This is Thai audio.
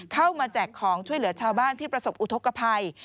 แจกของช่วยเหลือชาวบ้านที่ประสบอุทธกภัย